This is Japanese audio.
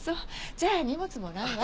じゃあ荷物もらうわ。